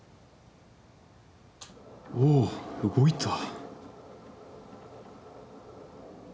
おおっ動いた。